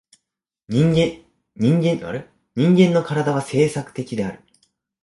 人間の身体は制作的である。